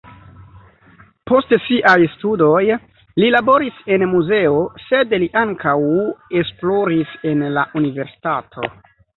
Post siaj studoj li laboris en muzeo, sed li ankaŭ esploris en la universitato.